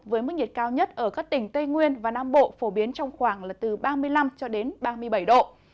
với mức nhiệt cao nhất ở khu vực tây nguyên và nam bộ